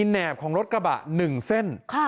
แหนบของรถกระบะ๑เส้น